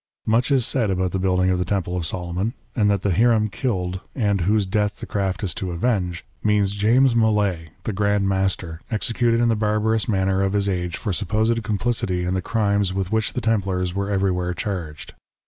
Much is said about the building of the Temple of Solomon ; and that the Hiram killed, and whose death the craft is to avenge, means James Molay, the Grand Master, executed in the barbarous manner of his age for supposed complicity in the crimes with which the Templars were everywhere charged.